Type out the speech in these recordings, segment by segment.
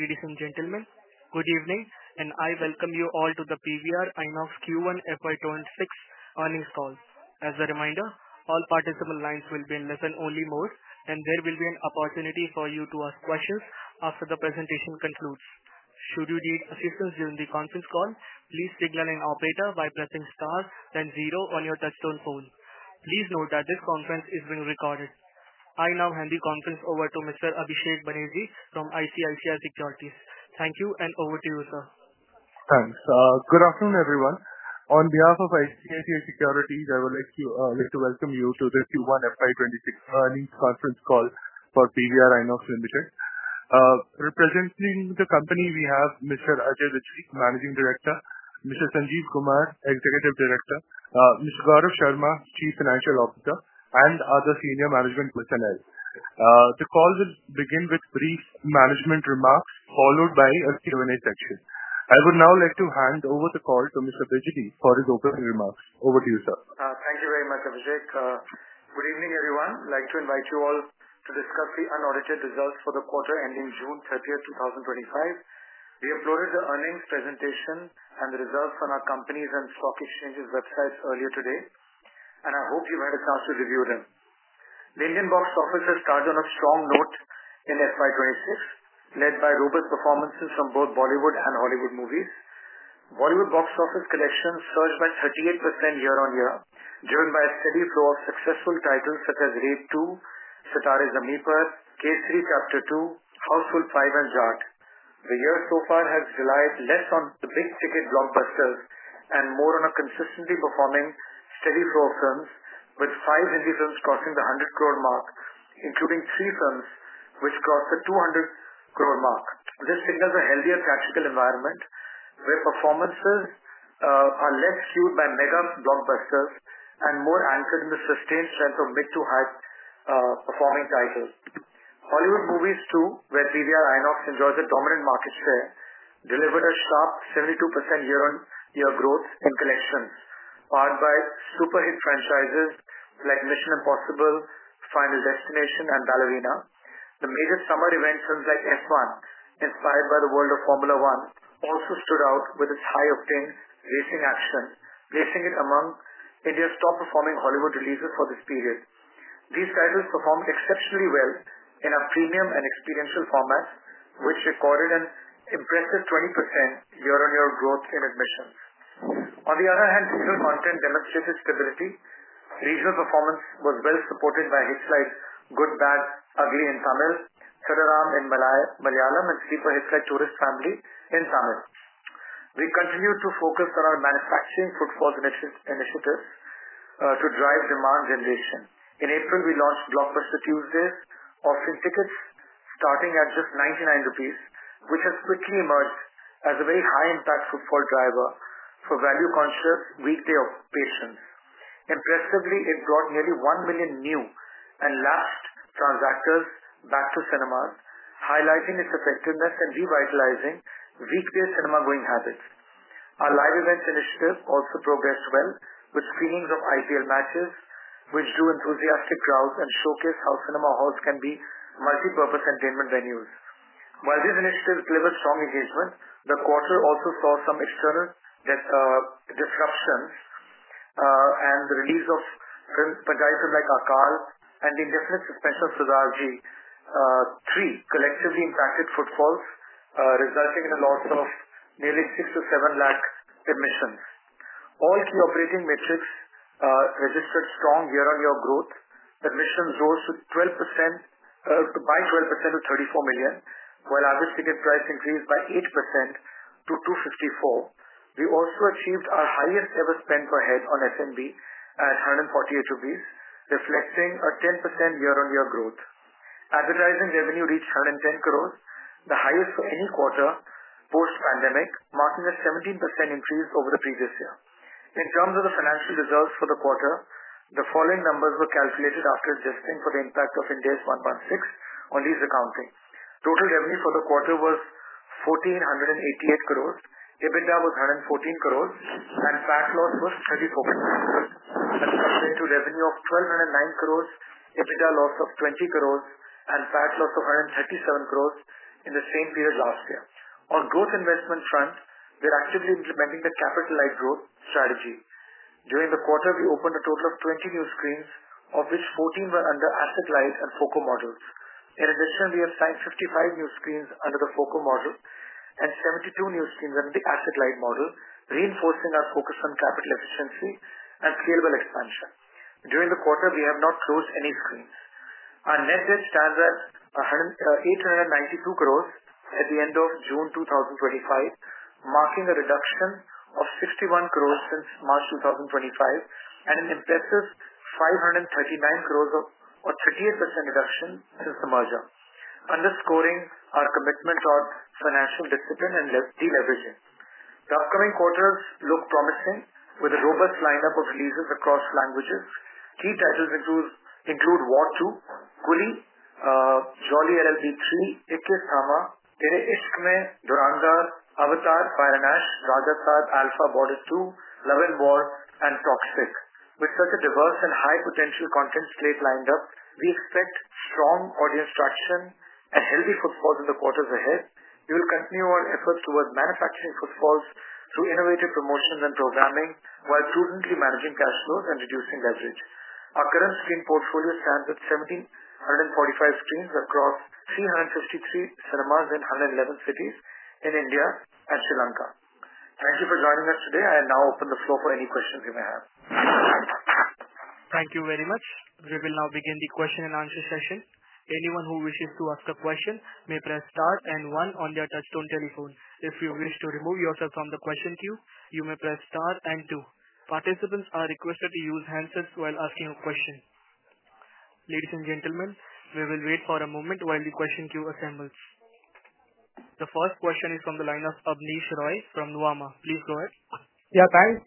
Ladies and gentlemen, good evening, and I welcome you all to the PVR INOX Q1 FY2026 Earnings Call. As a reminder, all participant lines will be in less than one minute, and there will be an opportunity for you to ask questions after the presentation concludes. Should you need assistance during the conference call, please signal an operator by pressing star and zero on your touchtone phone. Please note that this conference is being recorded. I now hand the conference over to Mr. Abhishek Banerjee from ICICI Securities. Thank you and over to you, sir. Thanks. Good afternoon, everyone. On behalf of ICICI Securities, I would like to welcome you to this Q1 FY2026 Earnings Conference Call for PVR INOX Limited. Representing the company, we have Mr. Ajay Bijli, Managing Director; Mr. Sanjeev Kumar, Executive Director; Mr. Gaurav Sharma, Chief Financial Officer; and other senior management personnel. The call will begin with brief management remarks, followed by a Q&A session. I would now like to hand over the call to Mr. Bijli for his opening remarks. Over to you, sir. Thank you very much, Abhishek. Good evening, everyone. I'd like to invite you all to discuss the unaudited results for the quarter ending June 30th, 2025. We uploaded the earnings presentation and the results on our company's and stock exchanges' websites earlier today, and I hope you've had a chance to review them. The Indian box office has started on a strong note in FY2026, led by robust performances from both Bollywood and Hollywood movies. Bollywood box office collections surged by 38% year-on-year, driven by a steady flow of successful titles such as Raid 2, Sitaare Zameen Par, Kesari Chapter 2, Housefull 5, and Jaat. The year so far has relied less on the big-ticket blockbusters and more on a consistently performing, steady flow of films, with five indie films crossing the 100 crore billion mark, including three films which crossed the 200 crore mark. This signals a healthier practical environment, where performances are less skewed by mega blockbusters and more anchored in the sustained strength of mid-to-high performing titles. Hollywood movies, too, where PVR INOX enjoys a dominant market share, delivered a sharp 72% year-on-year growth in collections, followed by super hit franchises like Mission Impossible, Final Destination, and Ballerina. The major summer event films like F1, inspired by the world of Formula 1, also stood out with its high-octane racing accent, placing it among India's top-performing Hollywood releases for this period. These titles perform exceptionally well in our premium and experiential formats, which recorded an impressive 20% year-on-year growth in admissions. On the other hand, digital content demonstrated stability. Visual performance was well supported by hitchhikes, Good Bad Ugly in Tamil, Thudarum in Malayalam, and seafood hitchhike Tourist Family in Tamil. We continue to focus on our manufacturing footfall initiatives to drive demand generation. In April, we launched Blockbuster Tuesdays, offering tickets starting at just 99 rupees, which has quickly emerged as a very high-impact footfall driver for value-conscious weekday operations. Impressively, it brought nearly 1 million new and lapsed transactors back to cinema, highlighting its effectiveness and revitalizing weekday cinema-going habits. Our live events initiative also progressed well, with screenings of IPL matches, which drew enthusiastic crowds and showcased how cinema halls can be multi-purpose entertainment venues. While these initiatives delivered strong engagement, the quarter also saw some external disruptions and the release of films like Akaal and the indefinite suspense of Sardaar Ji 3 collectively impacted footfalls, resulting in a loss of nearly 6 lakh-INR7 lakh admissions. All key operating metrics registered strong year-on-year growth. Admissions rose by 12% to 34 million, while average ticket price increased by 8% to 254. We also achieved our highest ever spend per head on food and beverage services at 148 rupees, reflecting a 10% year-on-year growth. Advertising revenue reached 110 crore, the highest for any quarter post-pandemic, marking a 17% increase over the previous year. In terms of the financial results for the quarter, the following numbers were calculated after adjusting for the impact of Ind AS 116 on lease accounting. Total revenue for the quarter was 1,488 crore, EBITDA was 114 crore, and PAT loss was 34 crore, compared to revenue of 1,209 crore, EBITDA loss of 20 crore, and PAT loss of 137 crore in the same period last year. On the growth investment front, we're actively implementing the capital light growth strategy. During the quarter, we opened a total of 20 new screens, of which 14 were under asset light and FOCO models. In addition, we have signed 55 new screens under the FOCO model and 72 new screens under the asset-light model, reinforcing our focus on capital efficiency and scalable expansion. During the quarter, we have not closed any screens. Our net debt stands at 892 crore at the end of June 2025, marking a reduction of 61 crore since March 2025 and an impressive 539 crore or 38% reduction since the merger, underscoring our commitment towards financial discipline and deleveraging. The upcoming quarters look promising, with a robust lineup of releases across languages. Key titles include War 2, Coolie, Jolly LLB 3, [Ikkya], Thama, Tere Ishq Mein, Dhurandhar, Avatar: Fire and Ash, Rajasaab, Alpha, Border 2, Love & War, and Toxic. With such a diverse and high-potential content slate lined up, we expect strong audience traction and healthy footfalls in the quarters ahead. We will continue our efforts towards manufacturing footfalls through innovative promotions and programming, while prudently managing cash flows and reducing leverage. Our current screen portfolio stands at 1,745 screens across 353 cinemas in 111 cities in India and Sri Lanka. Thank you for joining us today. I now open the floor for any questions you may have. Thank you very much. We will now begin the question and answer session. Anyone who wishes to ask a question may press star and one on their touchtone telephone. If you wish to remove yourself from the question queue, you may press star and two. Participants are requested to use handsets while asking a question. Ladies and gentlemen, we will wait for a moment while the question queue assembles. The first question is from the line of Abneesh Roy from Nuvama. Please go ahead. Yeah, thanks.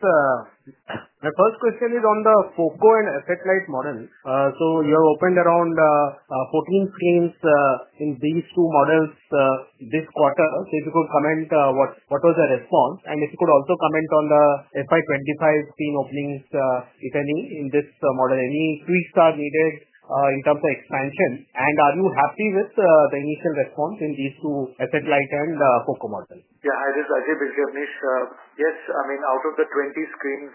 The first question is on the FOCOand asset-light models. You have opened around 14 screens in these two models this quarter. If you could comment, what was the response? If you could also comment on the FY2025 screen openings, if any, in this model, any tweaks are needed in terms of expansion? Are you happy with the initial response in these two, asset-light and the FOCO model? Yeah, it is Ajay Bijli. Yes, I mean, out of the 20 screens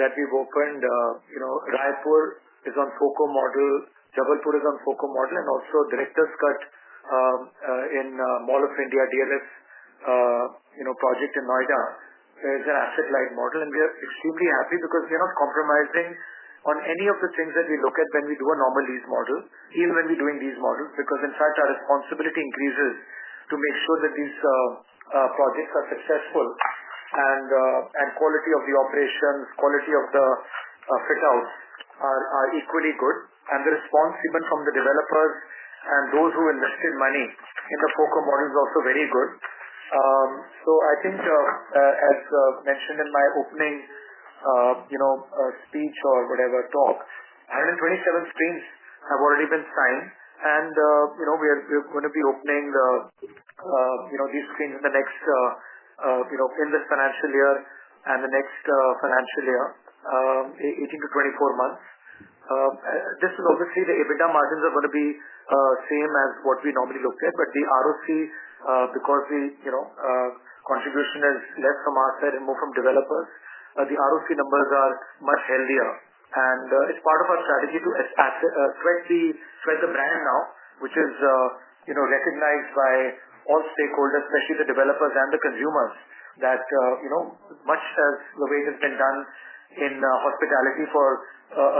that we've opened, Rajpur is on FOCO model, Jabalpur is on FOCO model, and also Director's Cut in Mall of India, DLS project in Noida is an asset-light model. We are completely happy because we are not compromising on any of the things that we look at when we do a normal lease model, even when we're doing these models, because in fact, our responsibility increases to make sure that these projects are successful and the quality of the operations, quality of the fit-outs are equally good. The response even from the developers and those who invested money in the FOCO model is also very good. I think, as mentioned in my opening speech or whatever talks, 127 screens have already been signed. We are going to be opening these screens in this financial year and the next financial year, 18-24 months. Just an overview, the EBITDA margins are going to be the same as what we normally look at. The ROC, because the contribution is less from our side and more from developers, the ROC numbers are much healthier. It's part of our strategy to correctly spread the brand now, which is recognized by all stakeholders, especially the developers and the consumers, much as the way it has been done in hospitality for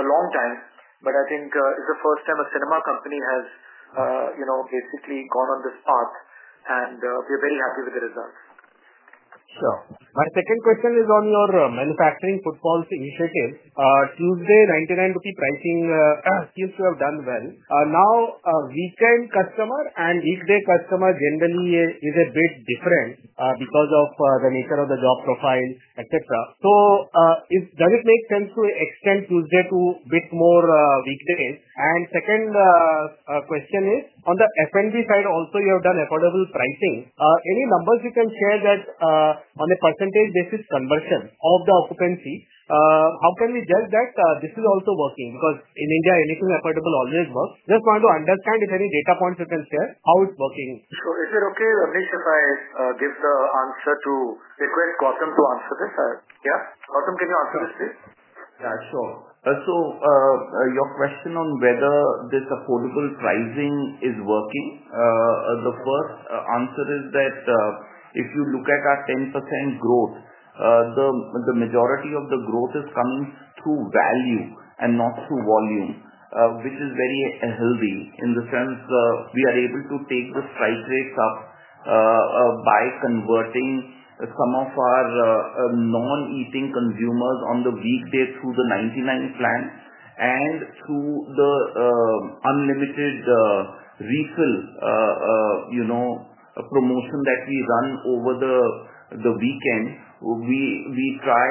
a long time. I think it's the first time a cinema company has basically gone on this path. We are very happy with the results. Sure. My second question is on your footfall initiatives. Tuesday, INR 99 pricing seems to have done well. Now, weekend customer and weekday customer generally is a bit different because of the nature of the job profile, etc. Does it make sense to extend Tuesday to a bit more weekdays? My second question is, on the food and beverage side also, you have done affordable pricing. Any numbers you can share on a percentage basis conversion of the occupancy? How can we judge that this is also working? In India, anything affordable always works. Just wanted to understand if any data points you can share how it's working. Is it okay if Abneesh gives the answer to request Gautam to answer this? Yes, Gautam, can you answer this, please? Yeah, sure. Your question on whether this affordable pricing is working, the first answer is that if you look at our 10% growth, the majority of the growth has come through value and not through volume, which is very healthy in the sense that we are able to take the strike rates up by converting some of our non-eating consumers on the weekday through the 99 plan and through the unlimited refill promotion that we run over the weekend. We try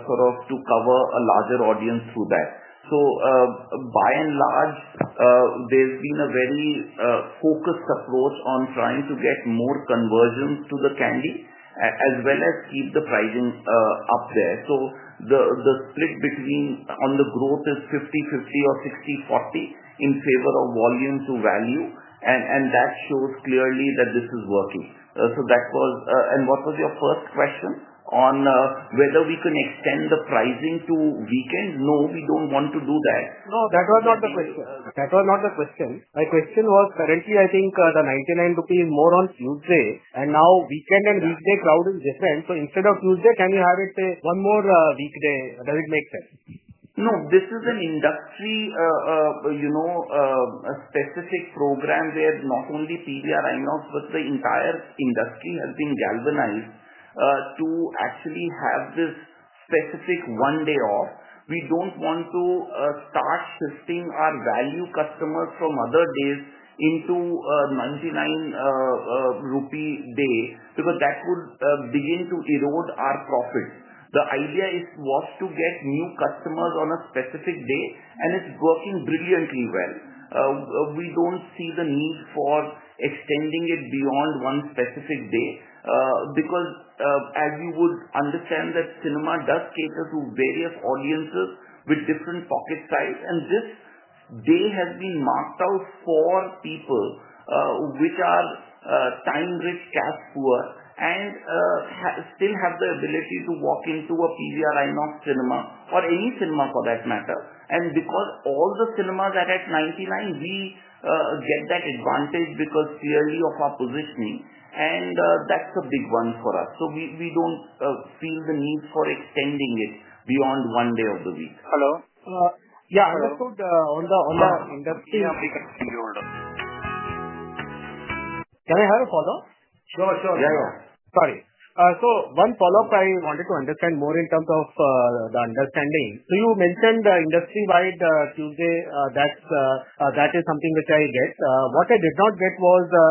to cover a larger audience through that. By and large, there's been a very focused approach on trying to get more conversions to the candy as well as keep the pricing up there. The split between on the growth is 50/50 or 50/40 in favor of volume to value. That shows clearly that this is working. What was your fourth question? On whether we can extend the pricing to weekend. No, we don't want to do that. No, that was not the question. My question was, currently, I think the 99 rupees is more on Tuesday. Now weekend and weekday crowd is different. Instead of Tuesday, can you have it, say, one more weekday? Does it make sense? No, this is an industry, you know, a specific program where not only PVR INOX, but the entire industry has been galvanized to actually have this specific one-day off. We don't want to start shifting our value customers from other days into 99 rupee day because that would begin to erode our profit. The idea was to get new customers on a specific day, and it's working brilliantly well. We don't see the need for extending it beyond one specific day because, as you would understand, that cinema does cater to various audiences with different pocket sizes. This day has been marked out for people which are time-rich, task-poor, and still have the ability to walk into a PVR INOX cinema or any cinema for that matter. Because all the cinemas are at 99, we get that advantage because clearly of our positioning. That's a big one for us. We don't feel the need for extending it beyond one day of the week. Hello, yeah, I was told on the industry of weekend. Can I have a follow-up? Go ahead. Sorry. One follow-up I wanted to understand more in terms of the understanding. You mentioned the industry-wide Tuesday. That is something which I get. What I did not get was the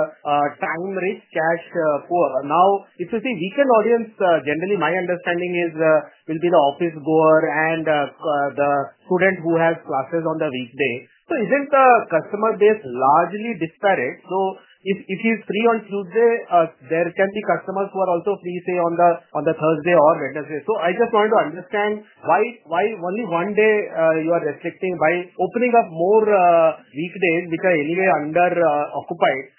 time-rich, task-poor. Now, if you think weekend audience, generally, my understanding is it will be the office-goer and the student who has classes on the weekday. Isn't the customer base largely disparate? If he's free on Tuesday, there can be customers who are also free, say, on the Thursday or Wednesday. I just wanted to understand why only one day you are restricting by opening up more weekdays, which are anyway underoccupied.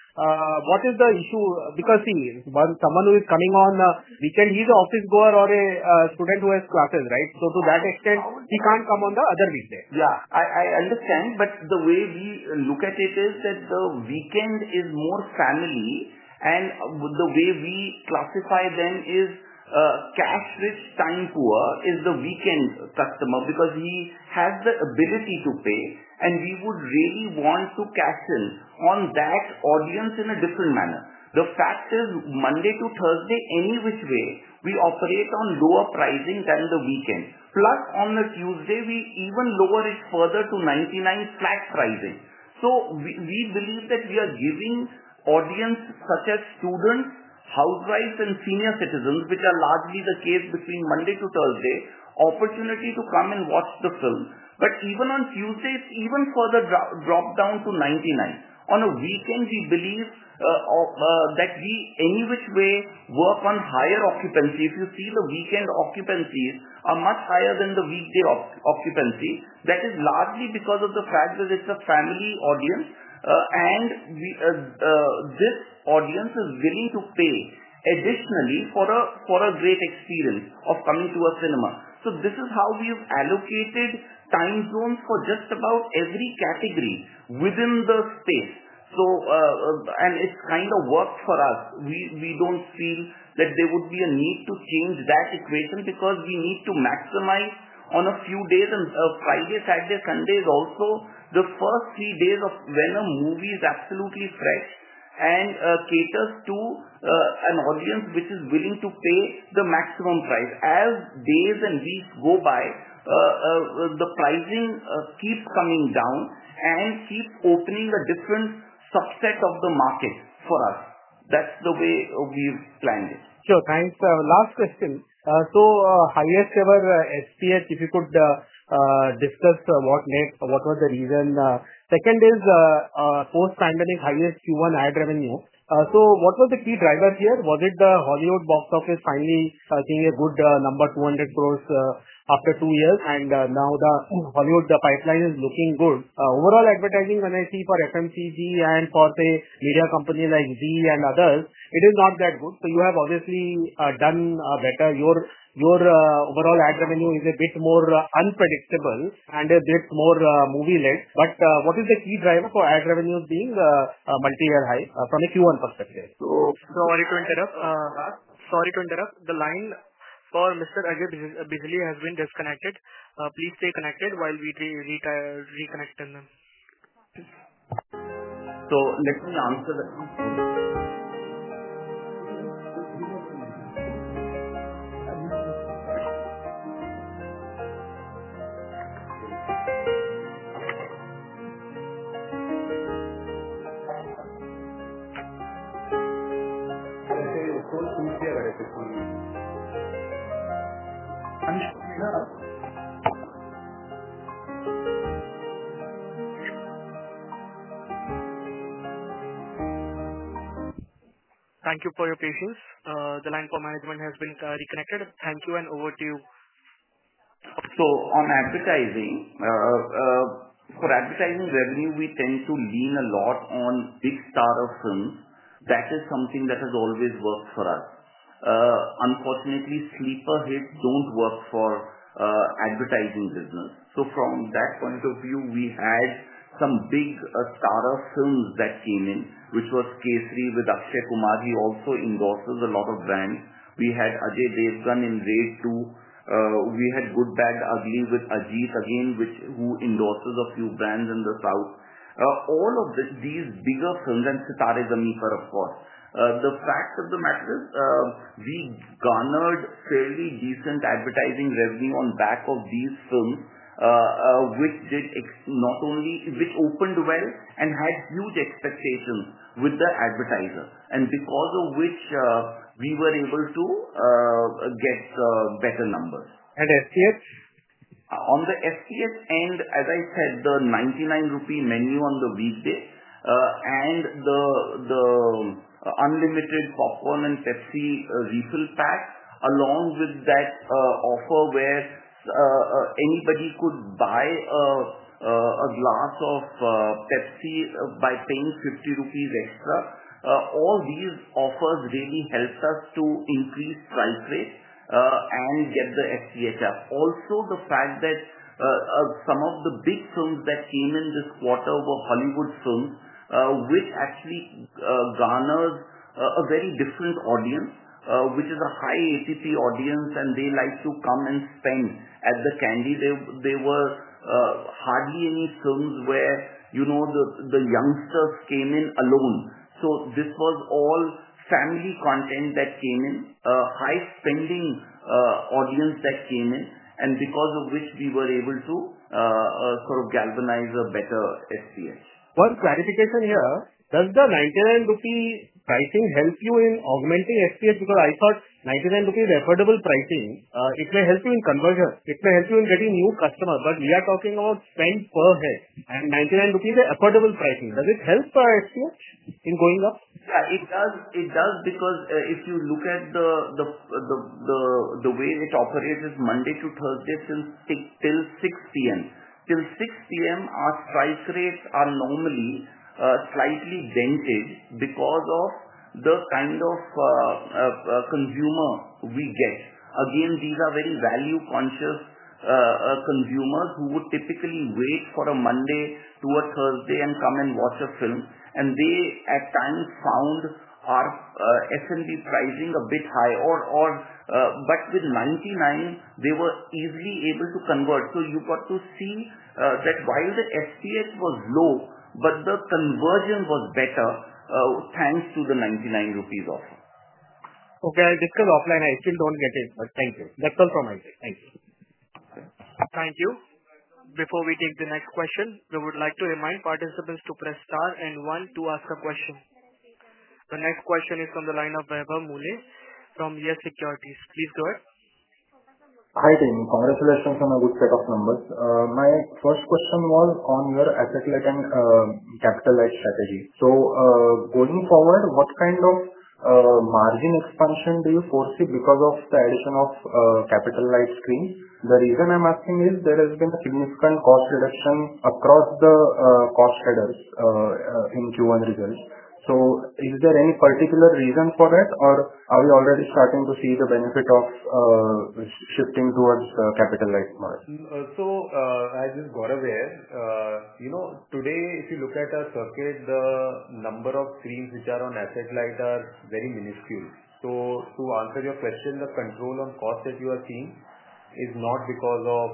What is the issue? Because see, someone who is coming on the weekend, he's an office-goer or a student who has classes, right? To that extent, he can't come on the other weekday. Yeah, I understand. The way we look at it is that the weekend is more family. The way we classify them is task-rich, time-poor is the weekend customer because he has the ability to pay. We would really want to cash in on that audience in a different manner. The fact is Monday to Thursday, any which way, we operate on lower pricing than the weekend. Plus, on the Tuesday, we even lower it further to 99 flat pricing. We believe that we are giving audience such as students, housewives, and senior citizens, which are largely the case between Monday to Thursday, opportunity to come and watch the film. Even on Tuesdays, it is further dropped down to 99. On a weekend, we believe that we, any which way, work on higher occupancy. If you see the weekend occupancies are much higher than the weekday occupancy, that is largely because of the fact that it's a family audience and this audience is willing to pay additionally for a great experience of coming to a cinema. This is how we have allocated time zones for just about every category within the space, and it's kind of worked for us. We don't feel that there would be a need to change that equation because we need to maximize on a few days. Fridays, Saturdays, Sundays also, the first three days of when a movie is absolutely fresh and caters to an audience which is willing to pay the maximum price. As days and weeks go by, the pricing keeps coming down and keeps opening a different subset of the market for us. That's the way we've planned it. Sure, thanks. Last question. Highest ever SPH, if you could discuss what was the reason. Second is the post-pandemic highest Q1 ad revenue. What were the key drivers here? Was it the Hollywood box office finally seeking a good number, 200 crore after two years? Now the Hollywood pipeline is looking good. Overall advertising, when I see for FMCG and for, say, media companies like Zee and others, it is not that good. You have obviously done better. Your overall ad revenue is a bit more unpredictable and a bit more movie-like. What is the key driver for ad revenues being a multi-year high from a Q1 perspective? Sorry to interrupt. The line for Mr. Ajay Bijli has been disconnected. Please stay connected while we reconnect him. Let me answer the question. Thank you for your patience. The line for management has been reconnected. Thank you and over to you. On advertising, for advertising revenue, we tend to lean a lot on big-star films. That is something that has always worked for us. Unfortunately, sleeper hits don't work for the advertising business. From that point of view, we had some big-star films that came in, which was Kesari with Akshay Kumar, who also endorses a lot of brands. We had Ajay Devgn in Raid 2. We had Good Bad Ugly with Ajith again, who endorses a few brands in the South. All of these bigger films and Sitaare Zameen Par, of course. The fact of the matter is we garnered fairly decent advertising revenue on the back of these films, which not only opened well and had huge expectations with the advertiser, and because of which we were able to get better numbers. And SPH? On the SPH end, as I said, the 99 rupee menu on the weekday and the unlimited popcorn and Pepsi refill packs, along with that offer where anybody could buy a glass of Pepsi by paying 50 rupees extra, all these offers really helped us to increase strike rates and get the SPH up. Also, the fact that some of the big films that came in this quarter were Hollywood films, which actually garnered a very different audience, which is a high ATP audience, and they like to come and spend at the candy. There were hardly any films where the youngsters came in alone. This was all family content that came in, a high-spending audience that came in, and because of which we were able to sort of galvanize a better SPH. One clarification here. Does the 99 rupee pricing help you in augmenting SPH? I thought 99 rupee affordable pricing, it may help you in conversion. It may help you in getting new customers. We are talking about spend per head. INR 99 is affordable pricing. Does it help SPH in going up? It does because if you look at the way which operates is Monday to Thursday till 6:00 P.M. Till 6:00 P.M., our price rates are normally slightly vented because of the kind of consumer we get. These are very value-conscious consumers who would typically wait for a Monday to a Thursday and come and watch a film. They at times found our S&P pricing a bit high. With 99, they were easily able to convert. You got to see that while the SPH was low, the conversion was better thanks to the 99 rupees offer. Okay. I did call offline. I still don't get it. Thank you. That's all from my side. Thank you. Thank you. Before we take the next question, we would like to remind participants to press star and one to ask a question. The next question is from the line of Vaibhav Muley YES Securities. Please go ahead. Hi, thank you. Congratulations on a good set of numbers. My first question was on your asset light and capital light growth strategy. Going forward, what kind of margin expansion do you foresee because of the addition of capital light screens? The reason I'm asking is there has been a significant cost reduction across the cost headers in Q1 results. Is there any particular reason for that, or are we already starting to see the benefit of shifting towards capital light models? As you're aware, today, if you look at our circuit, the number of screens which are on asset-light are very minuscule. To answer your question, the control on cost that you are seeing is not because of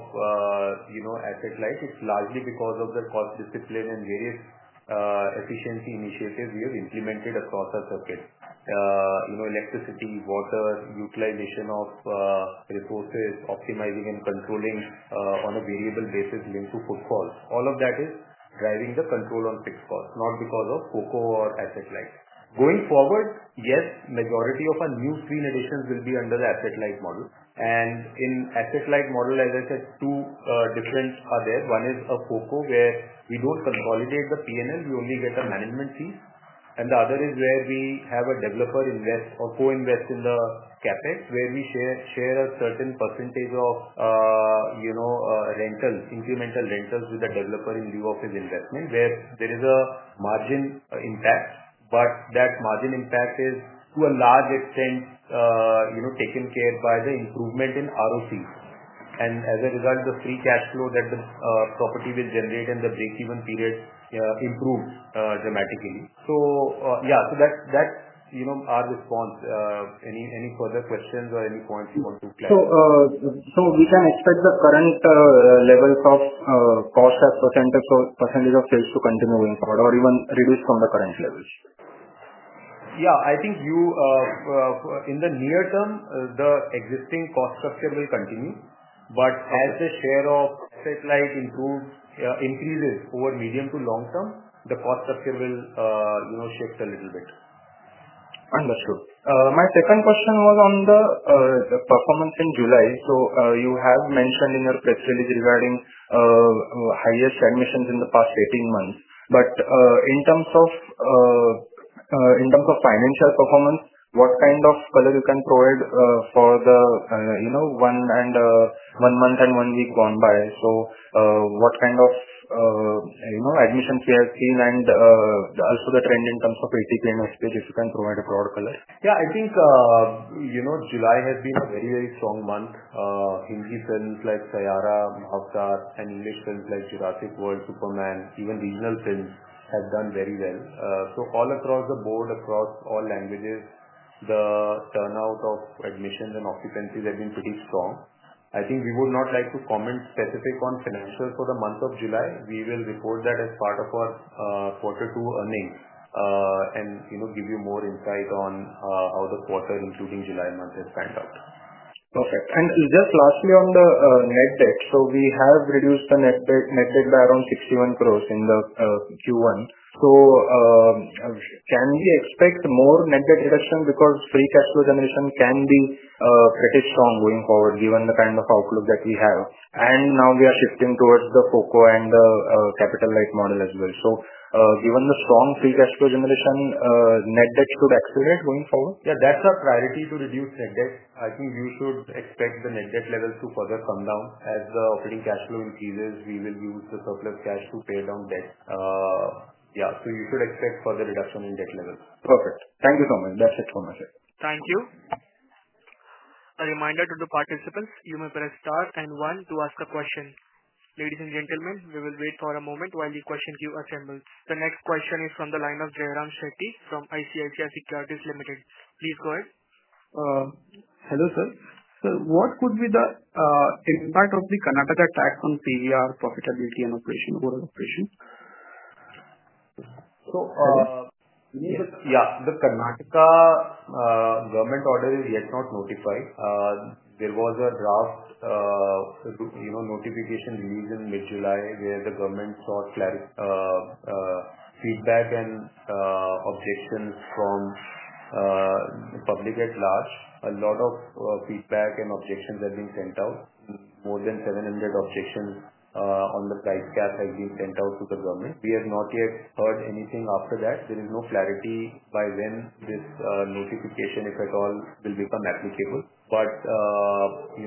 asset-light. It's largely because of the cost discipline and various efficiency initiatives we have implemented across our circuit. Electricity, water, utilization of resources, optimizing and controlling on a variable basis linked to footfall, all of that is driving the control on fixed cost, not because of FOCO or asset-light. Going forward, yes, the majority of our new screen additions will be under the asset-light model. In asset-light model, as I said, two differences are there. One is a FOCO where we don't consolidate the P&L. We only get the management fees. The other is where we have a developer invest or co-invest in the CapEx, where we share a certain percentage of rentals, incremental rentals with the developer in view of his investment, where there is a margin impact. That margin impact is, to a large extent, taken care of by the improvement in ROCs. As a result, the free cash flow that the property will generate in the break-even period improves dramatically. That's our response. Any further questions or any points you want to clarify? We can expect the current level of cost as a % of sales to continue going forward or even reduce from the current levels. Yeah, I think in the near term, the existing cost structure will continue. As the share of asset light improves, increases over the medium to long term, the cost structure will shift a little bit. Understood. My second question was on the performance in July. You have mentioned in your press release regarding highest admissions in the past 18 months. In terms of financial performance, what kind of color can you provide for the one month and one week gone by? What kind of admissions have we seen and also the trend in terms of ATP and SPH, if you can provide a broad color? Yeah, I think July has been a very, very strong month. Hindi films like Saiyaara, Mahavatar, and English films like Jurassic World, Superman, even regional films have done very well. All across the board, across all languages, the turnout of admissions and occupancies has been pretty strong. I think we would not like to comment specifically on financials for the month of July. We will report that as part of our quarter two earnings, and give you more insight on how the quarter, including July month, has panned out. Perfect. Just lastly, on the net debt, we have reduced the net debt by around 61 crore in Q1. Can we expect more net debt reduction? Free cash flow generation can be pretty strong going forward, given the kind of outlook that we have. Now we are shifting towards the asset-light and the capital light growth strategy as well. Given the strong free cash flow generation, net debt could accelerate going forward? Yeah, that's our priority to reduce net debt. I think you should expect the net debt level to further come down. As the operating cash flow increases, we will use the surplus cash to pay down debt. You should expect further reduction in debt level. Perfect. Thank you so much. That's it for myself. Thank you. A reminder to the participants, you may press star and one to ask a question. Ladies and gentlemen, we will wait for a moment while the question queue assembles. The next question is from the line of Jayram Shetty from ICICI Securities Limited. Please go ahead. Hello, sir. Sir, what could be the impact of the Karnataka tax on PVR profitability and operation, overall operation? Yes, the Karnataka government order is yet not notified. There was a draft notification released in mid-July where the government sought feedback and objections from the public at large. A lot of feedback and objections have been sent out. More than 700 objections on the price cap have been sent out to the government. We have not yet heard anything after that. There is no clarity by when this notification, if at all, will become applicable.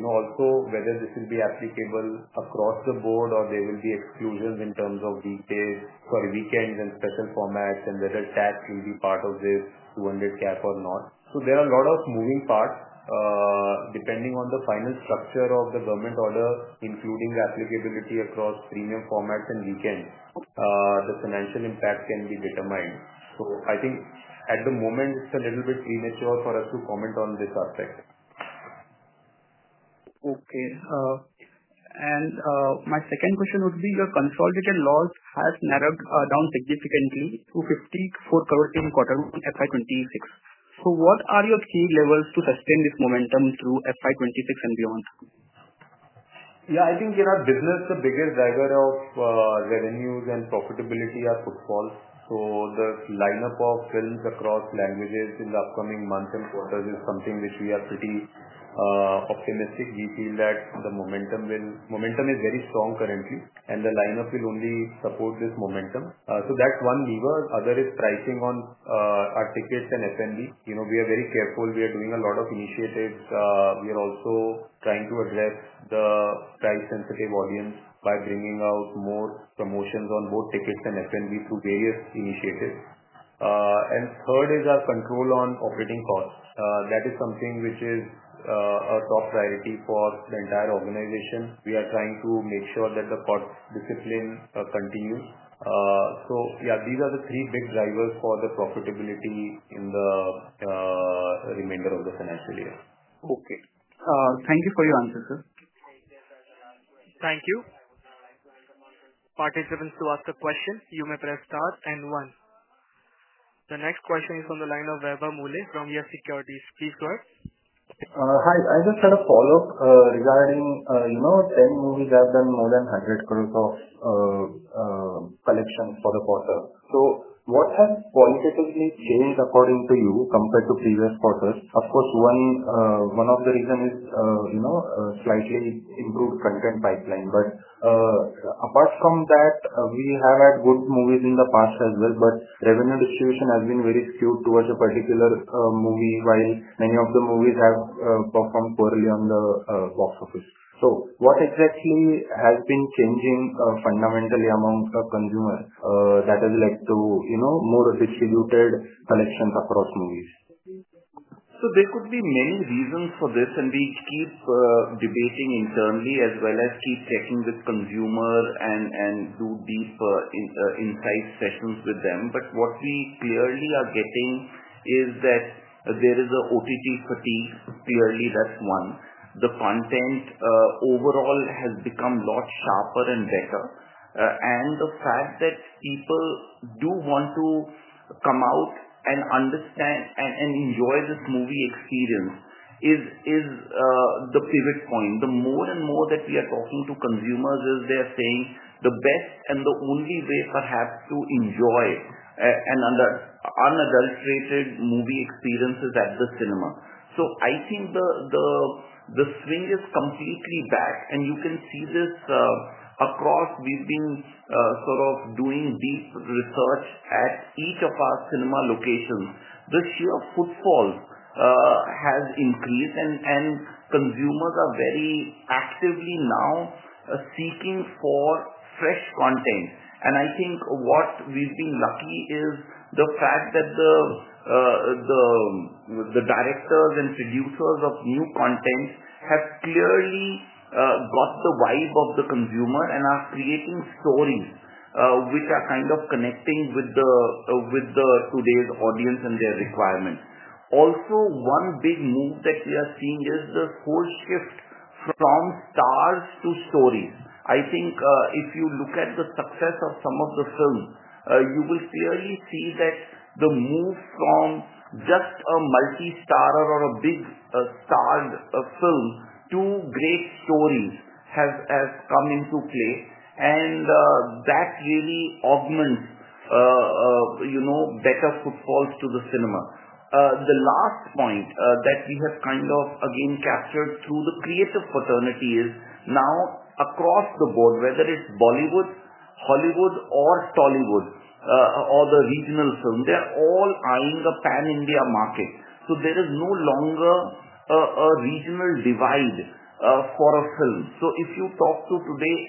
Also, whether this will be applicable across the board or there will be exclusions in terms of weekdays or weekends and special formats, and whether [SAT] will be part of the 200 cap or not. There are a lot of moving parts. Depending on the final structure of the government order, including applicability across premium formats and weekends, the financial impact can be determined. I think at the moment, it's a little bit premature for us to comment on this aspect. Okay. My second question would be your consolidated loss has narrowed down significantly to 54 crore in quarter FY2026. What are your seed levels to sustain this momentum through FY2026 and beyond? Yeah, I think, you know, business, the biggest driver of revenues and profitability are footfalls. The lineup of films across languages in the upcoming months and quarters is something which we are pretty optimistic. We feel that the momentum is very strong currently, and the lineup will only support this momentum. That's one lever. The other is pricing on our tickets and food and beverage services. You know, we are very careful. We are doing a lot of initiatives. We are also trying to address the price-sensitive audience by bringing out more promotions on both tickets and food and beverage services through various initiatives. Third is our control on operating costs. That is something which is a top priority for the entire organization. We are trying to make sure that the cost discipline continues. These are the three big drivers for the profitability in the remainder of the financial year. Okay, thank you for your answers, sir. Thank you. Participants, to ask a question, you may press star and one. The next question is from the line of Vaibhav Muley YES Securities. Please go ahead. Hi. I just had a follow-up regarding, you know, 10 movies have done more than 100 crore of collections for the quarter. What has qualitatively changed according to you compared to previous quarters? Of course, one of the reasons is, you know, a slightly improved content pipeline. Apart from that, we have had good movies in the past as well. Revenue distribution has been very skewed towards a particular movie while many of the movies have performed poorly at the box office. What exactly has been changing fundamentally amongst the consumers that has led to, you know, more distributed collections across movies? There could be many reasons for this, and we keep debating internally as well as keep checking with consumers and do deep insight sessions with them. What we clearly are getting is that there is an OTT fatigue. Clearly, that's one. The content overall has become a lot sharper and better. The fact that people do want to come out and understand and enjoy this movie experience is the pivot point. The more and more that we are talking to consumers, they are saying the best and the only way perhaps to enjoy an unadulterated movie experience is at the cinema. I think the swing is completely back. You can see this across. We've been sort of doing deep research at each of our cinema locations. The sheer footfall has increased, and consumers are very actively now seeking fresh content. I think what we've been lucky is the fact that the directors and producers of new content have clearly got the vibe of the consumer and are creating stories which are kind of connecting with today's audience and their requirements. Also, one big move that we are seeing is this whole shift from stars to stories. I think if you look at the success of some of the films, you will clearly see that the move from just a multi-star or a big star film to great stories has come into play. That really augments better footfalls to the cinema. The last point that we have kind of again captured through the creative fraternity is now across the board, whether it's Bollywood, Hollywood, or Tollywood regional film, they're all eyeing the pan-India market. There is no longer a regional divide for a film. If you talk to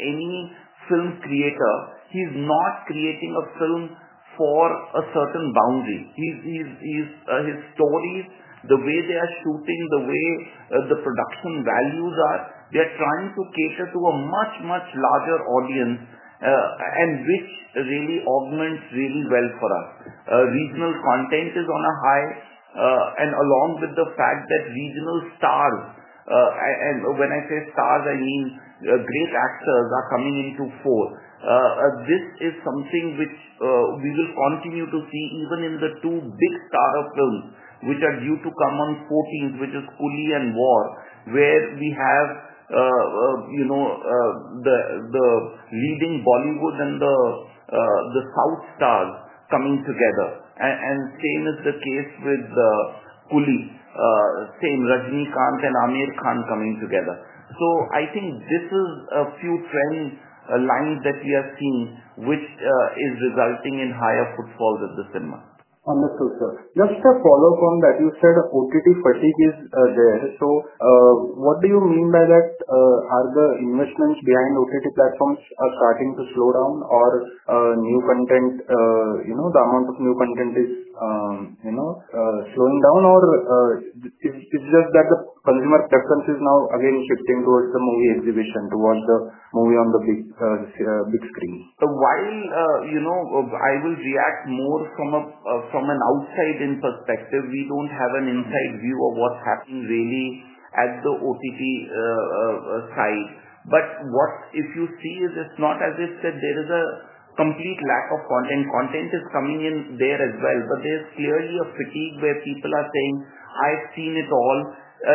any film creator today, he's not creating a film for a certain boundary. His stories, the way they are shooting, the way the production values are, they are trying to cater to a much, much larger audience, which really augments really well for us. Regional content is on a high, and along with the fact that regional stars, and when I say stars, I mean great actors, are coming into form. This is something which we will continue to see even in the two big startup films, which are due to come on 14th, which is Coolie and War, where we have the leading Bollywood and the South stars coming together. Same is the case with Coolie, same Rajinikanth and Aamir Khan coming together. I think this is a few trend lines that we are seeing, which is resulting in higher footfalls at the cinema. Wonderful, sir. Just a follow-up on that. You said OTT fatigue is there. What do you mean by that? Are the investments behind OTT platforms starting to slow down, or is the amount of new content slowing down? Is it just that the consumer preference is now again shifting towards the movie exhibition, towards the movie on the big screen? While I will react more from an outside-in perspective, we don't have an inside view of what's happening really at the OTT side. What you see is it's not as if there is a complete lack of content. Content is coming in there as well. There's clearly a fatigue where people are saying, "I've seen it all."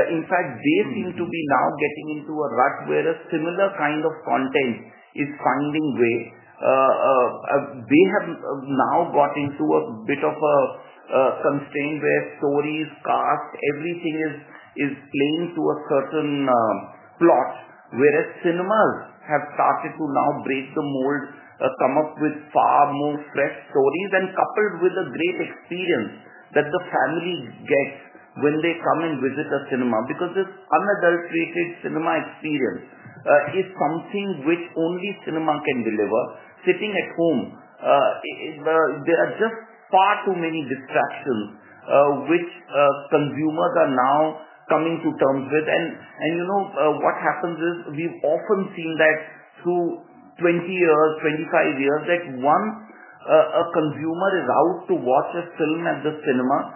In fact, they seem to be now getting into a rut where a similar kind of content is finding way. They have now got into a bit of a constraint where stories, cast, everything is plain to a certain plot, whereas cinemas have started to now break the mold, come up with far more fresh stories and coupled with a great experience that the family gets when they come and visit a cinema because this unadulterated cinema experience is something which only cinema can deliver. Sitting at home, there are just far too many distractions, which consumers are now coming to terms with. What happens is we've often seen that through 20 years, 25 years, that once a consumer is out to watch a film at the cinema,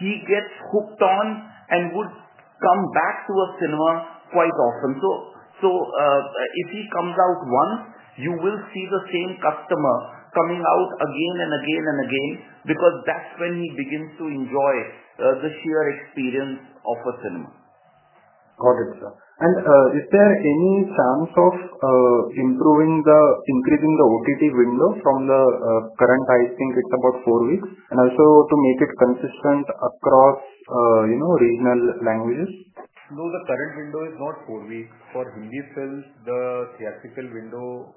he gets hooked on and would come back to a cinema quite often. If he comes out once, you will see the same customer coming out again and again and again because that's when he begins to enjoy the sheer experience of a cinema. Got it, sir. Is there any chance of increasing the OTT window from the current, I think it's about four weeks, and also to make it consistent across, you know, regional languages? No, the current window is not four weeks. For TV films, the theatrical window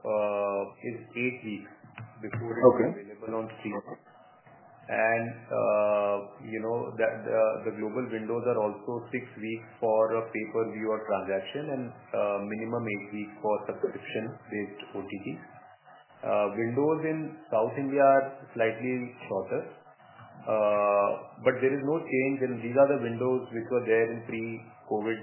is eight weeks before it's available on theaters. You know the global windows are also six weeks for a pay-per-view or transaction and minimum eight weeks for subscription-based OTT. Windows in South India are slightly shorter. There is no change, and these are the windows because they are in pre-COVID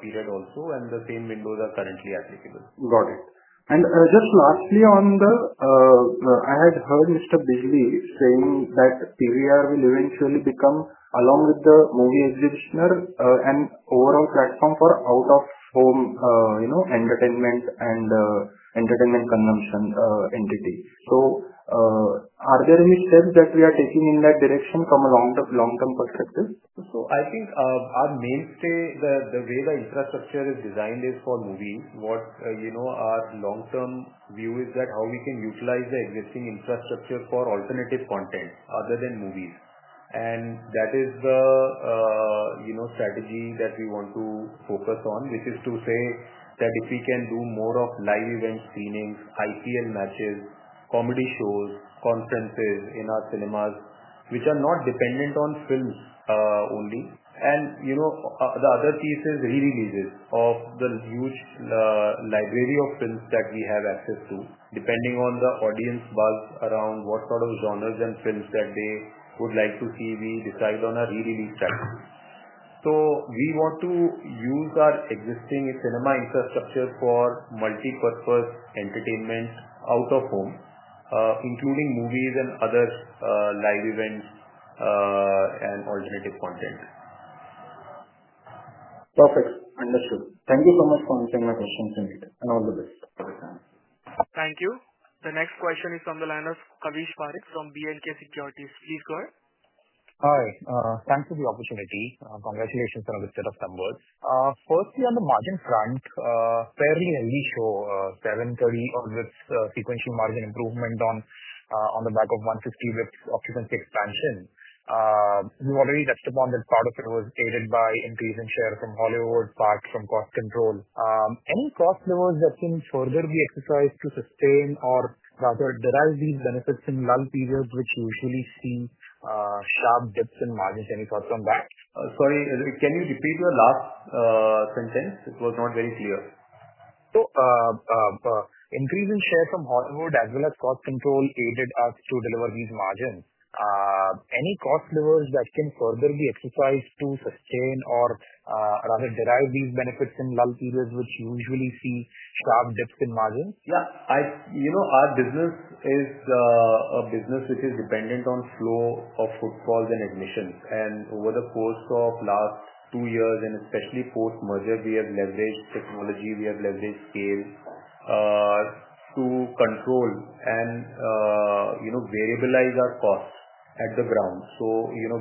period also, and the same windows are currently applicable. Got it. Just lastly, I had heard Mr. Bijli saying that PVR will eventually become, along with the movie exhibition, an overall platform for out-of-home entertainment and entertainment consumption entities. Are there any trends that we are taking in that direction from a long-term perspective? I think our mainstay, the way the infrastructure is designed, is for movies. Our long-term view is that we can utilize the existing infrastructure for alternative content other than movies. That is the strategy that we want to focus on, which is to say that if we can do more of live events, screenings, IPL matches, comedy shows, constantly in our cinemas, which are not dependent on film only. The other piece is re-releases of the huge library of films that we have access to, depending on the audience buzz around what sort of genres and films that they would like to see, we decide on a re-release platform. We want to use our existing cinema infrastructure for multi-purpose entertainment out of home, including movies and other live events and alternative content. Perfect. Understood. Thank you so much for answering my questions, sir, and all the best for the time. Thank you. The next question is from the line of Kavish Parekh from B&K Securities. Please go ahead. Hi. Thanks for the opportunity. Congratulations on the set of numbers. Firstly, on the margin front, a fairly heavy show, 730 with sequential margin improvement on the back of 150 with optimistic expansion. We've already touched upon that part of it was aided by increase in shares in Hollywood, part from cost control. Any crossovers that can further be exercised to sustain or provide derived these benefits in lull periods which usually see some dips in margins? Any thoughts on that? Sorry, can you repeat the last sentence? It was not very clear. Increasing shares from Hollywood, as well as cost control, aided us to deliver these margins. Any cost levers that can further be exercised to sustain or rather derive these benefits in lull periods, which usually see sharp dips in margins? Yeah, you know, our business is a business which is dependent on flow of footfalls and admissions. Over the course of the last two years, and especially post-merger, we have leveraged technology. We have leveraged scale to control and, you know, variabilize our costs at the ground.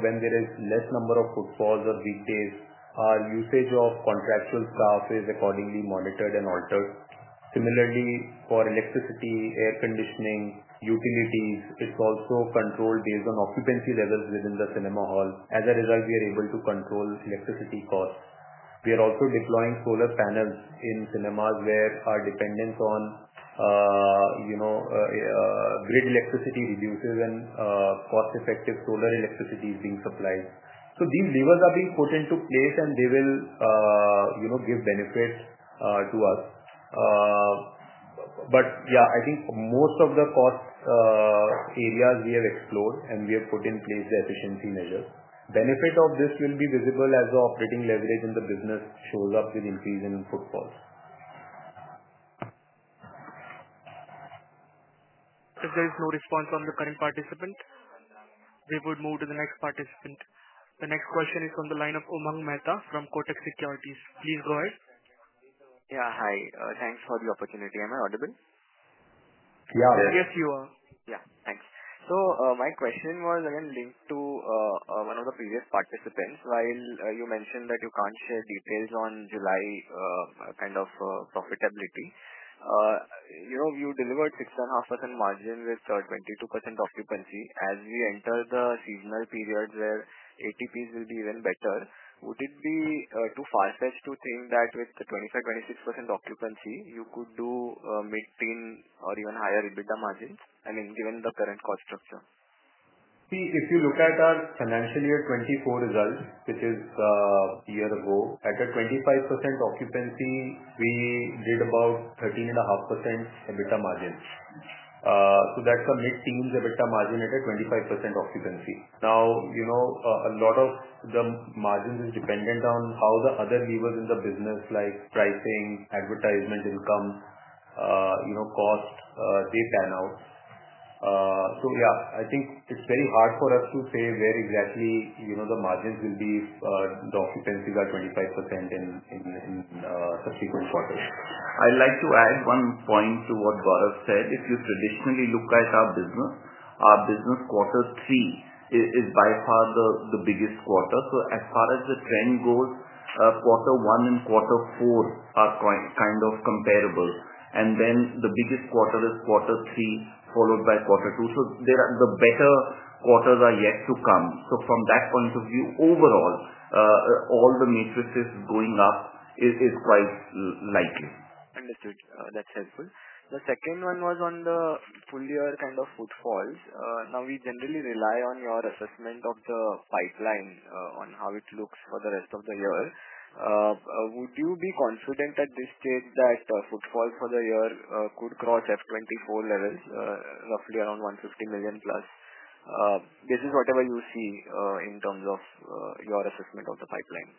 When there is less number of footfalls or weekdays, our usage of contractual staff is accordingly monitored and altered. Similarly, for electricity, air conditioning, utilities, it's also controlled based on occupancy levels within the cinema hall. As a result, we are able to control electricity costs. We are also deploying solar panels in cinemas where our dependence on, you know, grid electricity reduces and cost-effective solar electricity is being supplied. These levers are being put into place, and they will, you know, give benefits to us. I think most of the cost areas we have explored and we have put in place the efficiency measures. Benefit of this will be visible as the operating leverage in the business shows up with increase in footfalls. If there is no response from the current participant, we would move to the next participant. The next question is from the line of Umang Mehta from Kotak Securities. Please go ahead. Yeah, hi. Thanks for the opportunity. Am I audible? Yeah. Yes, you are. Yeah, thanks. My question was again linked to one of the previous participants when you mentioned that you can't share details on July kind of profitability. You know, you delivered 6.5% margin with 22% occupancy. As we enter the seasonal period where ATPs will be even better, would it be too far-fetched to think that with the 25%, 26% occupancy you could do mid-teen or even higher EBITDA margins? I mean, given the current cost structure. See, if you look at our financial year 2024 result, which is a year ago, at a 25% occupancy, we did about 13.5% EBITDA margins. That's a mid-teens EBITDA margin at a 25% occupancy. Now, a lot of the margins are dependent on how the other levers in the business, like pricing, advertisement income, costs, they pan out. I think it's very hard for us to say where exactly the margins will be if the occupancies are 25% in subsequent quarters. I'd like to add one point to what Gaurav said. If you traditionally look at our business, our business quarter three is by far the biggest quarter. As far as the trend goes, quarter one and quarter four are kind of comparable, and then the biggest quarter is quarter three, followed by quarter two. The better quarters are yet to come. From that point of view, overall, all the metrics going up is quite likely. Understood. That's helpful. The second one was on the full-year kind of footfalls. Now, we generally rely on your assessment of the pipeline on how it looks for the rest of the year. Would you be confident that this shares that footfall for the year could cross FY2024 levels, roughly around 150 million plus? This is whatever you see in terms of your assessment of the pipeline.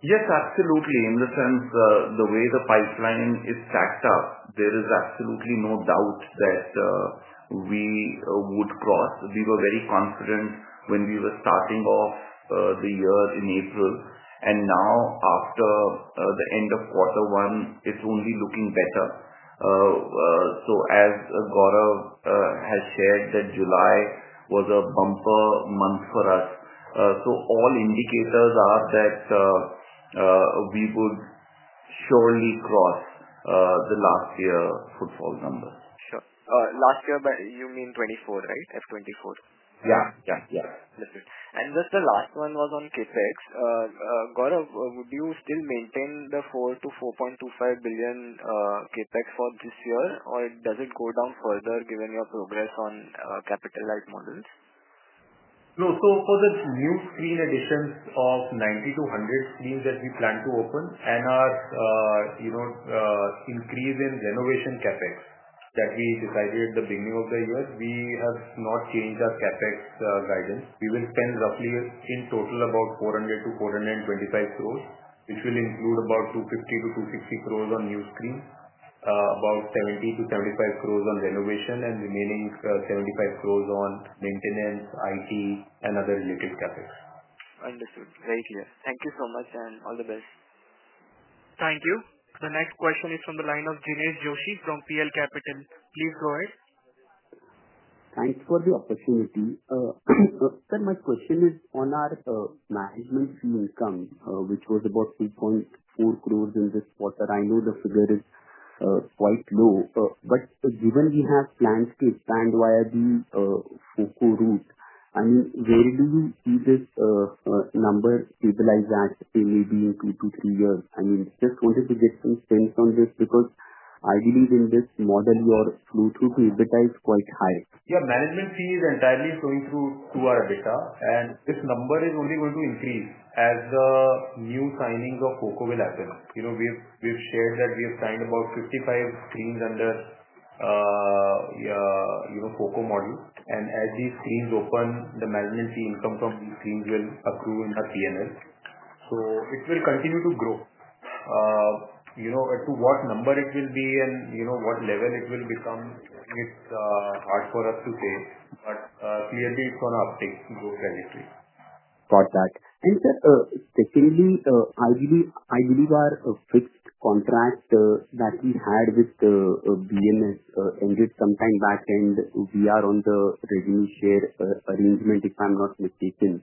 Yes, absolutely. In the sense the way the pipeline is stacked up, there is absolutely no doubt that we would cross. We were very confident when we were starting off the year in April. Now, after the end of quarter one, it's only looking better. As Gaurav has shared, July was a bumper month for us. All indicators are that we would surely cross the last year footfall number. Sure. Last year, you mean 2024, right? FY2024? Yeah, yeah, yeah. Understood. Just the last one was on CapEx. Gaurav, would you still maintain the 4 billion-4.25 billion CapEx for this year, or does it go down further given your progress on capital-led models? No. For the new screen additions of 90 to 100 screens that we plan to open and our increase in renovation CapEx that we decided at the beginning of the year, we have not changed our CapEx guidance. We will spend roughly in total about 400 to 425 crores, which will include about 250 crore-260 crore on new screens, about 70 crore-75 crore on renovation, and the remaining 75 crores on maintenance, IT, and other related CapEx. Understood. Very clear. Thank you so much and all the best. Thank you. The next question is from the line of Jinesh Joshi from PL Capital. Please go ahead. Thanks for the opportunity. My question is on our management's income, which was about 2.4 crore in this quarter. I know the figure is quite low. Given we have plans to expand via the FOCO route, where do you see this number stabilize at maybe in two to three years? I just wanted to get some sense on this because I believe in this model, your flow-through to EBITDA is quite high. Management sees entirely flowing through to our EBITDA. This number is only going to increase as the new signings of FOCO will happen. We've shared that we have signed about 55 screens under FOCO modules. As these screens open, management sees income from these screens will accrue in our P&L. It will continue to grow. To what number it will be and what level it will become, it's hard for us to say. Clearly, it's going to uptake to grow revenue. Sir, technically, I believe our fixed contract that we had with BMS ended sometime back, and we are on the revenue share arrangement, if I'm not mistaken.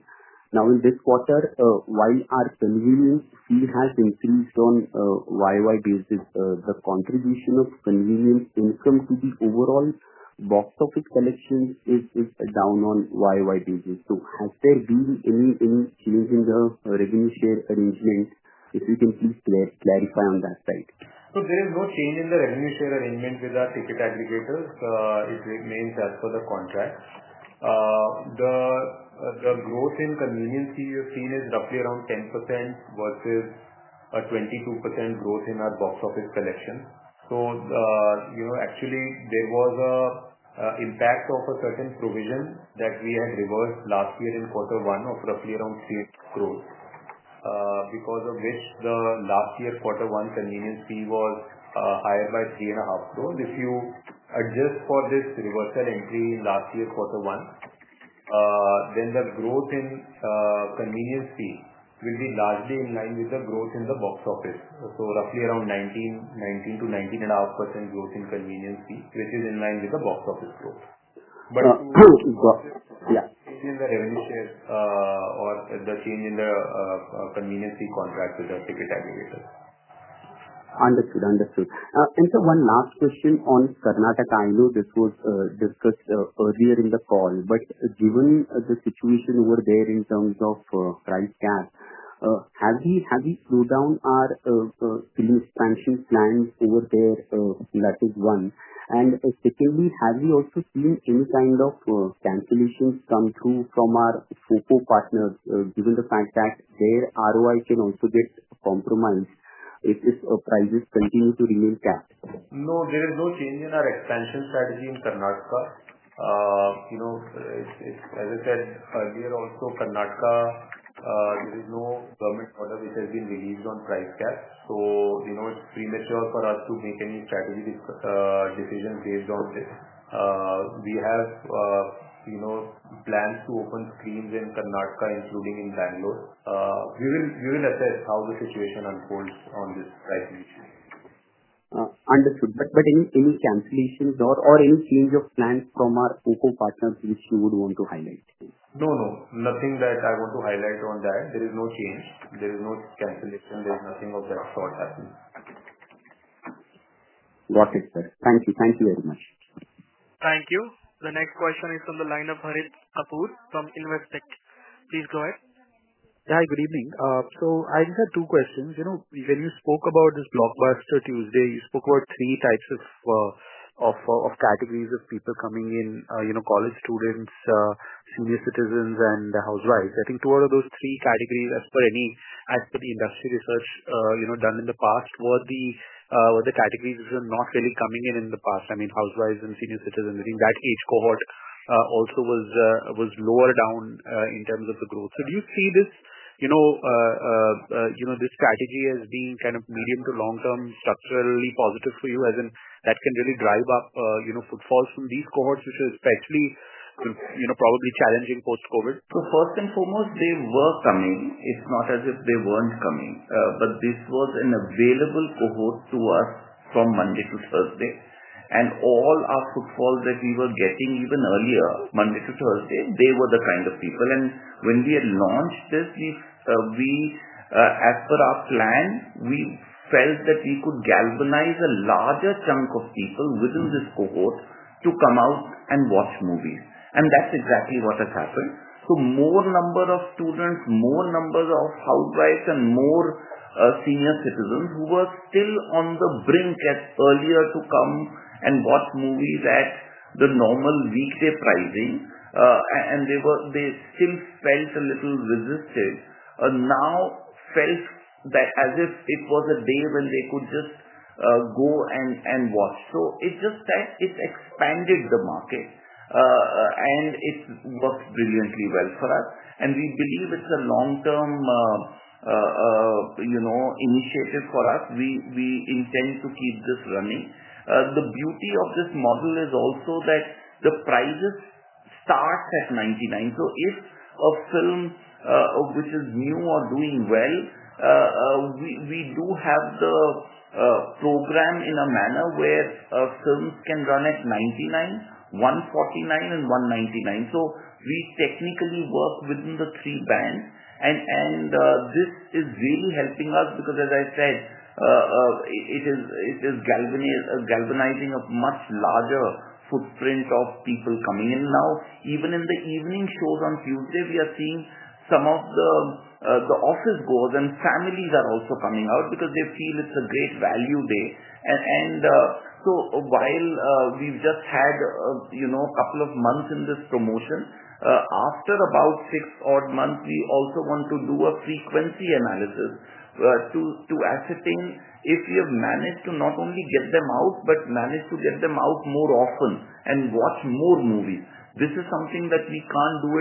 In this quarter, while our convenience fee has increased on YoY basis, the contribution of convenience income to the overall box office collection is down on YoY basis. Has there been any change in the revenue share arrangement? If you can please clarify on that side. There is no change in the revenue share arrangement with our ticket aggregators. It remains as per the contract. The growth in convenience fee you've seen is roughly around 10% versus a 22% growth in our box office collection. Actually, there was an impact of a certain provision that we had reversed last year in quarter one of roughly around 6 crore. Because of this, the last year quarter one convenience fee was higher by 3.5 crore. If you adjust for this reversal entry in last year quarter one, the growth in convenience fee will be largely in line with the growth in the box office. Roughly around 19%-19.5% growth in convenience fee, which is in line with the box office growth. But. Yeah, change in the revenue share or the change in the convenience fee contract with our ticket aggregators. Understood. Understood. Sir, one last question on Karnataka. This was discussed earlier in the call. Given the situation over there in terms of price cap, have we slowed down our film expansion plans over there relative to one? Secondly, have we also seen any kind of cancellations come through from our FOCO partners, given the fact that their ROI can also get compromised if prices continue to remain capped? No, there is no change in our expansion strategy in Karnataka. As I said earlier, also Karnataka, there is no government order which has been released on price caps. It's premature for us to make any strategic decisions based on this. We have plans to open screens in Karnataka, including in Bangalore. We will assess how the situation unfolds on this, right? Understood. Any cancellation or any change of plans from our focal partners which you would want to highlight? No, nothing that I want to highlight on that. There is no change. There is no cancellation. There is nothing of that sort happening. Got it, sir. Thank you. Thank you very much. Thank you. The next question is from the line of Harit Kapoor from Investec. Please go ahead. Hi, good evening. I just have two questions. When you spoke about this Blockbuster Tuesdays, you spoke about three types of categories of people coming in: college students, senior citizens, and the housewives. I think two out of those three categories, as per any industry research done in the past, were the categories which were not really coming in in the past. I mean, housewives and senior citizens. I think that age cohort also was lower down in terms of the growth. Do you see this strategy as being kind of medium to long term temporarily positive for you, as in that can really drive up footfalls from these cohorts which are especially probably challenging post-COVID? First and foremost, they were coming. It's not as if they weren't coming. This was an available cohort to us from Monday to Thursday, and all our footfalls that we were getting even earlier, Monday to Thursday, they were the kind of people. When we had launched this, as per our plan, we felt that we could galvanize a larger chunk of people within this cohort to come out and watch movies. That's exactly what has happened. More students, more housewives, and more senior citizens who were still on the brink earlier to come and watch movies at the normal weekday pricing. They still felt a little resisted and now felt that as if it was a day when they could just go and watch. It expanded the market, and it's worked brilliantly well for us. We believe it's a long-term initiative for us. We intend to keep this running. The beauty of this model is also that the prices start at 99. If a film which is new or doing well, we do have the program in a manner where films can run at 99, 149, and 199. We technically work within the three bands. This is really helping us because, as I said, it is galvanizing a much larger footprint of people coming in now. Even in the evening shows on Tuesday, we are seeing some of the office goers and families are also coming out because they feel it's a great value day. While we've just had a couple of months in this promotion, after about six odd months, we also want to do a frequency analysis to ascertain if we have managed to not only get them out, but managed to get them out more often and watch more movies. This is something that we can't do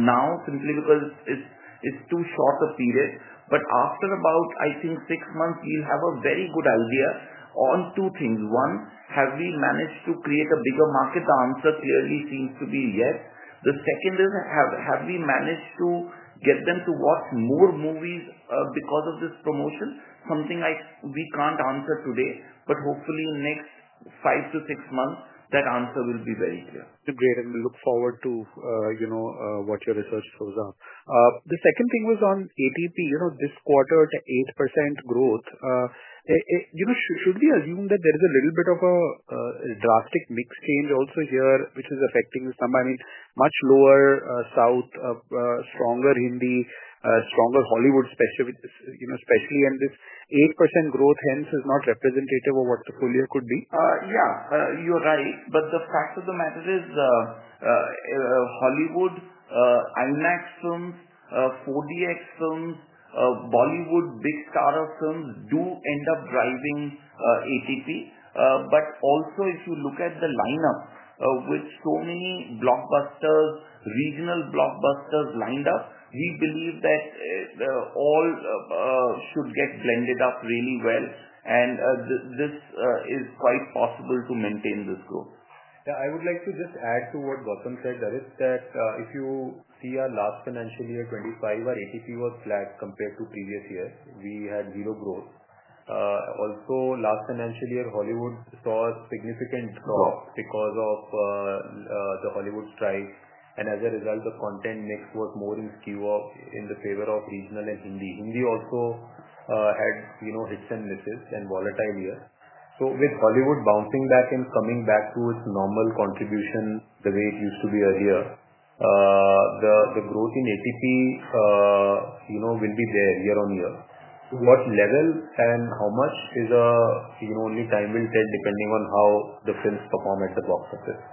now simply because it's too short a period. After about, I think, six months, we'll have a very good idea on two things. One, have we managed to create a bigger market? The answer clearly seems to be yes. The second is, have we managed to get them to watch more movies because of this promotion? Something we can't answer today. Hopefully, in the next five to six months, that answer will be very clear. It's great. We look forward to what your research shows up. The second thing was on ATP. This quarter, the 8% growth, should we assume that there is a little bit of a drastic mix change also here, which is affecting this number? I mean, much lower South, stronger Hindi, stronger Hollywood, especially. This 8% growth, hence, is not representative of what the full year could be? Yeah, you're right. The fact of the matter is Hollywood, IMAX films, 4DX films, Bollywood, big-startup films do end up driving ATP. Also, if you look at the lineup, with so many blockbusters, regional blockbusters lined up, we believe that all should get blended up really well. This is quite possible to maintain this growth. Yeah. I would like to just add to what Gaurav said. If you see our last financial year, 2025, our ATP was flat compared to previous years. We had zero growth. Also, last financial year, Hollywood saw significant growth because of the Hollywood strike. As a result, the content mix was more skewed in favor of regional and Hindi. Hindi also had hits and misses and volatile years. With Hollywood bouncing back and coming back to its normal contribution the way it used to be earlier, the growth in ATP will be there year on year. To what level and how much is, only time will tell depending on how the films perform at the box office.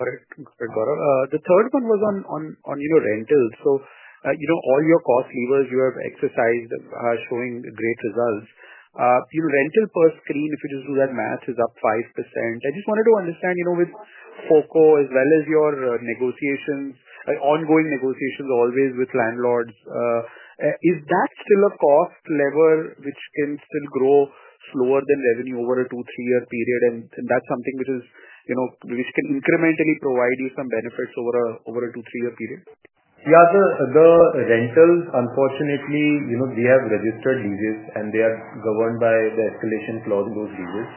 All right, Mr. Gaurav. The third one was on rentals. All your cost levers you have exercised are showing great results. Rental per screen, if you just do that math, is up 5%. I just wanted to understand, with FOCO as well as your negotiations, ongoing negotiations always with landlords, is that still a cost lever which can still grow slower than revenue over a two-three-year period? That's something which can incrementally provide you some benefits over a two-three-year period? Yeah, the rentals, unfortunately, you know, they have registered leases, and they are governed by the escalation clause in those leases.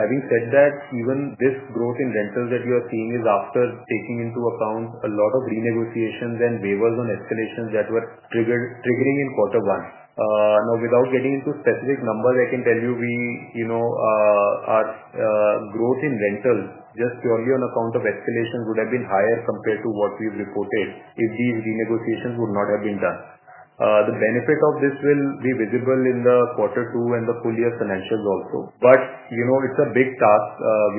Having said that, even this growth in rentals that you are seeing is after taking into account a lot of renegotiations and waivers on escalations that were triggering in quarter one. Now, without getting into specific numbers, I can tell you our growth in rentals just purely on account of escalation would have been higher compared to what we've reported if these renegotiations would not have been done. The benefit of this will be visible in the quarter two and the full year financials also. It is a big task.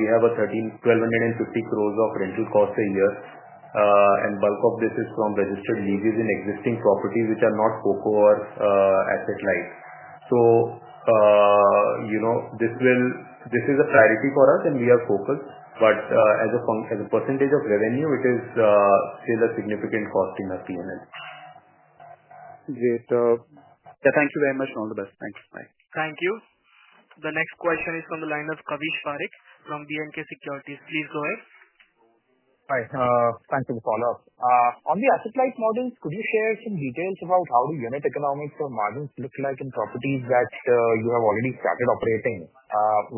We have 1,350 crores of rental costs a year, and bulk of this is from registered leases in existing properties which are not asset-light. This is a priority for us, and we are focused. As a percentage of revenue, it is still a significant cost in our CNS. Great. Yeah, thank you very much. All the best. Thanks. Bye. Thank you. The next question is from the line of Kavish Parekh from B&K Securities. Please go ahead. Hi. Thanks for the follow-up. On the asset-light modules, could you share some details about how the unit economics or margins look like in properties that you have already started operating?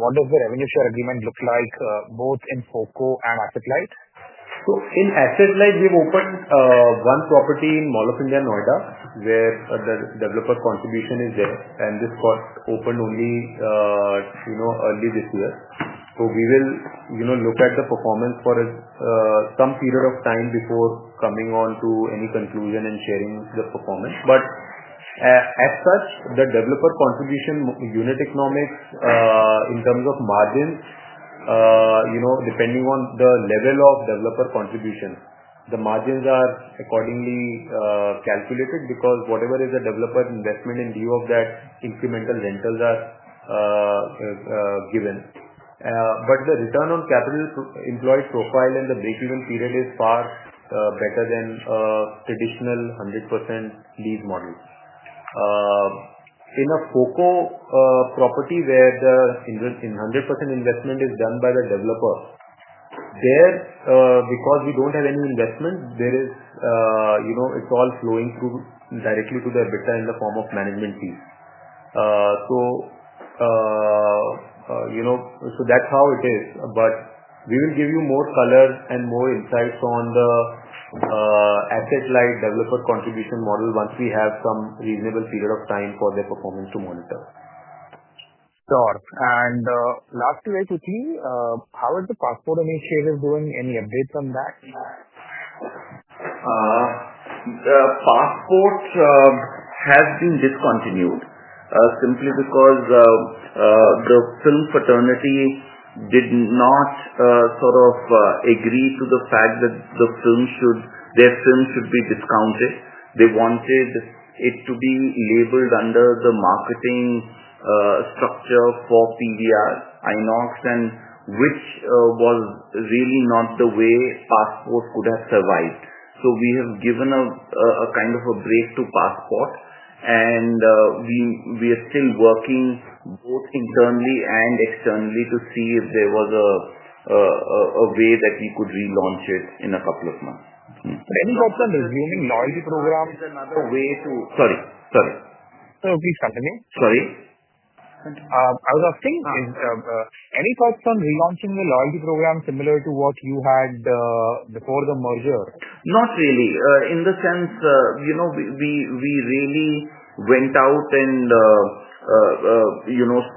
What does the revenue share agreement look like both in FOCO and asset-light? In asset-light, we've opened one property in Mall of India, Noida, where the developer contribution is there. This got opened only early this year. We will look at the performance for some period of time before coming to any conclusion and sharing the performance. As such, the developer contribution unit economics in terms of margins, depending on the level of developer contribution, the margins are accordingly calculated because whatever is a developer investment, in view of that, incremental rentals are given. The return on capital employed profile in the break-even period is far better than traditional 100% lease models. In a focal property where the 100% investment is done by the developer, because we don't have any investment, it's all flowing directly to the EBITDA in the form of management fees. That's how it is. We will give you more color and more insights on the asset-light developer contribution model once we have some reasonable period of time for the performance to monitor. Sure. Lastly, Sathi, how is the Passport initiative going? Any updates on that? Passports have been discontinued simply because the film fraternity did not sort of agree to the fact that their films should be discounted. They wanted it to be labeled under the marketing structure called PVR INOX, which was really not the way passports could have survived. We have given a kind of a break to passport, and we are still working both internally and externally to see if there was a way that we could relaunch it in a couple of months. Any thoughts on resuming loyalty programs and other ways to? Sorry. Sorry. No, please continue. Sorry. I was asking any thoughts on relaunching the loyalty program similar to what you had before the merger? Not really. In the sense, you know, we really went out and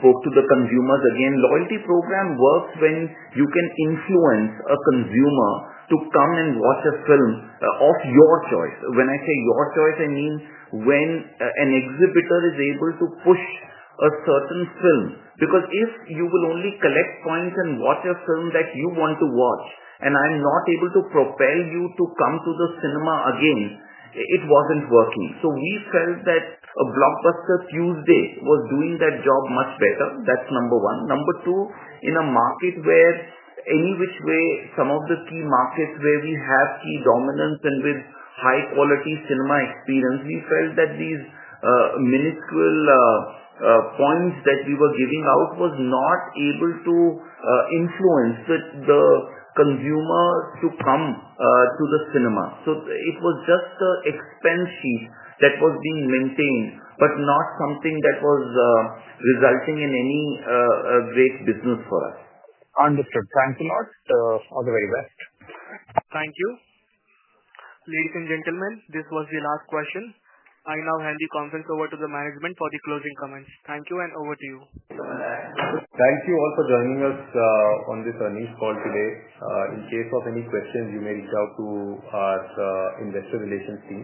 spoke to the consumers. Again, loyalty program works when you can influence a consumer to come and watch a film of your choice. When I say your choice, I mean when an exhibitor is able to push a certain film. Because if you will only collect points and watch a film that you want to watch, and I'm not able to propel you to come to the cinema again, it wasn't working. We felt that Blockbuster Tuesdays was doing that job much better. That's number one. Number two, in a market where any which way some of the key markets where we have key dominance and with high-quality cinema experience, we felt that these minuscule points that we were giving out were not able to influence the consumers to come to the cinema. It was just the expense sheet that was being maintained, but not something that was resulting in any great business for us. Understood. Thanks a lot. All the very best. Thank you. Ladies and gentlemen, this was the last question. I now hand the conference over to the management for the closing comments. Thank you and over to you. Thank you all for joining us on this earnings call today. In case of any questions, you may reach out to our investor relations team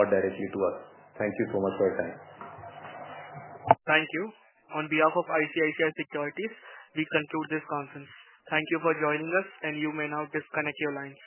or directly to us. Thank you so much for your time. Thank you. On behalf of ICICI Securities, we conclude this conference. Thank you for joining us, and you may now disconnect your line.